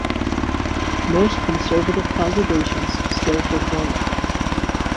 Most Conservative congregations still perform it.